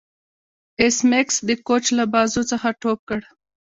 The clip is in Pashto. ایس میکس د کوچ له بازو څخه ټوپ کړ